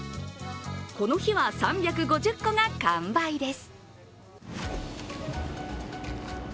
この日は３５０個が完売です。